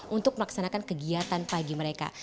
untuk melaksanakan kegiatan pagi mereka